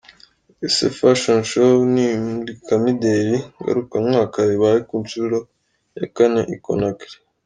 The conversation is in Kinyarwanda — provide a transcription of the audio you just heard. Guèssè Fashion Show, ni imurikamideli ngarukamwaka ribaye ku nshuro ya kane i Conackry.